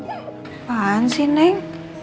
apaan sih neng